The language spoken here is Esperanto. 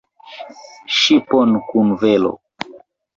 ŝipon kun velo!